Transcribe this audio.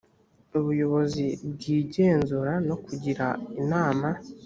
ubuyobozi bw’igenzura no kugira inama